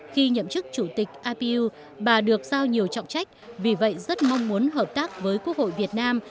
khi nhậm chức chủ tịch ipu bà được giao nhiều trọng trách vì vậy rất mong muốn hợp tác với quốc hội việt nam